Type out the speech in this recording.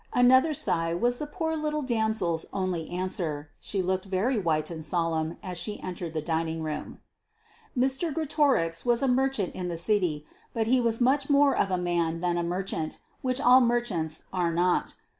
Another sigh was the poor little damsel's only answer. She looked very white and solemn as she entered the dining room. Mr. Greatorex was a merchant in the City. But he was more of a man than a merchant, which all merchants are not.